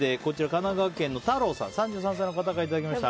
神奈川県の３３歳の方からいただきました。